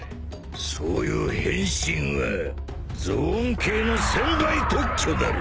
そういう変身はゾオン系の専売特許だろ。